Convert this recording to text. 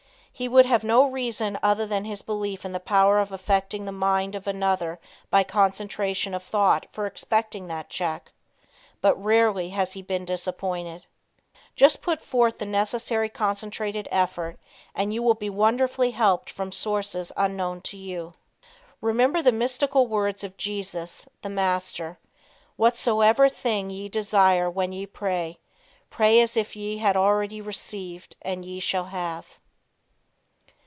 He would have no reason other than his belief in the power of affecting the mind of another by concentration of thought for expecting that check, but rarely has he been disappointed. Just put forth the necessary concentrated effort and you will be wonderfully helped from sources unknown to you. Remember the mystical words of Jesus, the Master: "Whatsoever thing ye desire when ye pray, pray as if ye had already received and ye shall have."